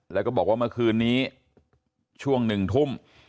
แล้วก็บอกว่าเมื่อคืนนี้ช่วง๑ทุ่ม